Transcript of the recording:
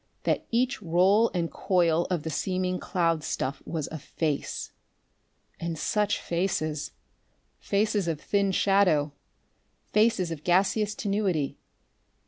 that each roll and coil of the seeming cloud stuff was a face. And such faces! Faces of thin shadow, faces of gaseous tenuity.